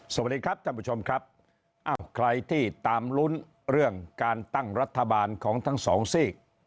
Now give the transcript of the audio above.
สวัสดีครับท่านผู้ชมครับอ้าวใครที่ตามลุ้นเรื่องการตั้งรัฐบาลของทั้งสองซีก